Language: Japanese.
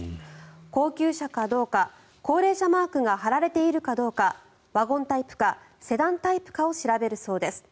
高級車かどうか高齢者マークが貼られているかどうかワゴンタイプかセダンタイプかを調べるそうです。